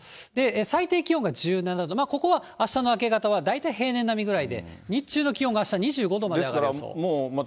最低気温が１７度、ここはあしたの明け方は大体平年並みぐらいで、日中の気温が、あした２５度まで上がる予想。